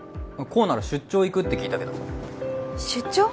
功なら出張行くって聞いたけど出張？